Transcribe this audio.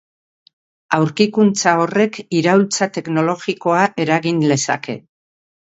Aurkikuntza horrek iraultza teknologikoa eragin lezake.